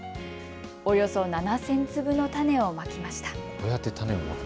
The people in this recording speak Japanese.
およそ７０００粒の種をまきました。